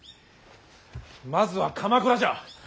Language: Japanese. まずは鎌倉じゃ。